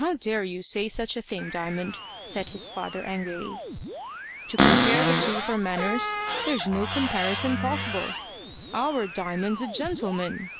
"How dare you say such a thing, Diamond?" said his father, angrily. "To compare the two for manners, there's no comparison possible. Our Diamond's a gentleman."